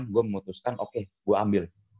gue memutuskan oke gue ambil